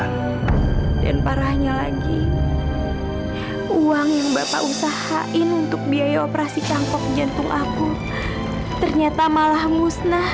parahnya lagi uang yang bapak usahain untuk biaya operasi cangkok jantung aku ternyata malah musnah